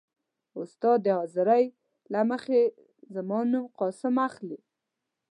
. استاد د حاضرۍ له مخې زما نوم «قاسم» اخلي.